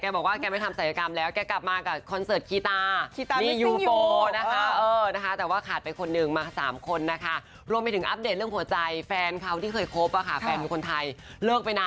แบบไหนพี่แจ๊กแบบไหน